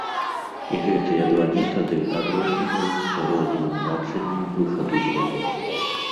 І гэтыя два метады адрозніваюцца розным бачаннем выхаду з яго.